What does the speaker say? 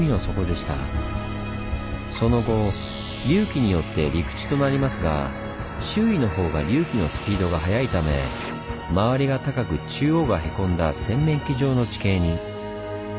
その後隆起によって陸地となりますが周囲のほうが隆起のスピードが速いため周りが高く中央がへこんだ洗面器状の地形に。